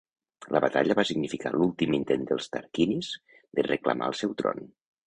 La batalla va significar l'últim intent dels tarquinis de reclamar el seu tron.